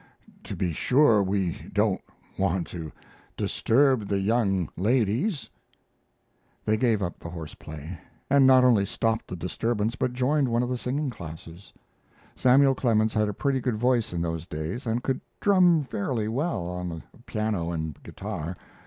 To be sure we don't want to disturb the young ladies." They gave up the horse play, and not only stopped the disturbance, but joined one of the singing classes. Samuel Clemens had a pretty good voice in those days and could drum fairly well on a piano and guitar.